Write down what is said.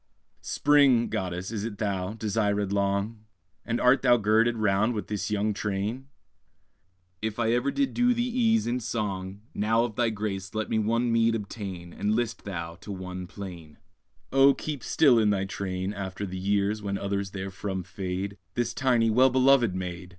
_ Spring, goddess, is it thou, desirèd long? And art thou girded round with this young train? If ever I did do thee ease in song, Now of thy grace let me one meed obtain, And list thou to one plain. Oh, keep still in thy train, After the years when others therefrom fade, This tiny, well belovèd maid!